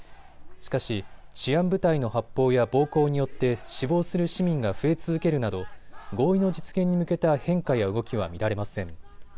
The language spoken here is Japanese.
しかし治安部隊の発砲や暴行によって死亡する市民が増え続けるなど合意の実現に向けた変化や動きは見られません。